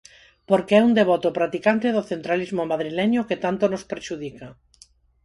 Porque é un devoto practicante do centralismo madrileño que tanto nos prexudica.